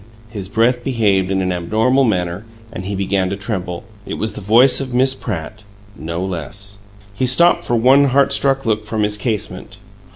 his breath behaved in an abnormal manner and he began to tremble. It was the voice of Miss Pratt, no less! He stopped for one heart struck look from his casement.